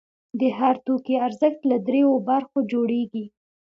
د هر توکي ارزښت له درېیو برخو جوړېږي